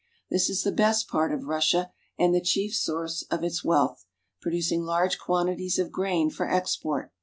This is the best part of Russia and the chief source of its wealth, producing large quantities of grain for export.